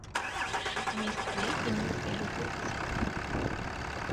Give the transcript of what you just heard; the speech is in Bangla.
আমি স্কুলে তিনবার ফেলও করছি।